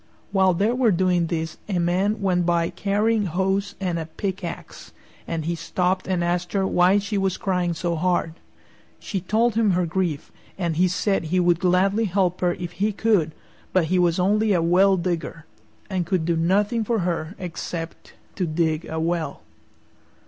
While they were doing this a Man went by carrying hoes and a pickaxe, and he stopped and asked her why she was crying so hard. She told him her grief, and he said he would gladly help her if he could, but he was only a well digger and could do nothing for her except to dig a well.